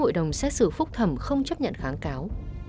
hội đồng xét xử phúc thẩm không chấp nhận kháng cáo